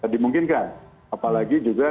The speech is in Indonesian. dimungkinkan apalagi juga